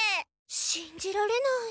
しんじられない。